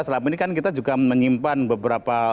selama ini kan kita juga menyimpan beberapa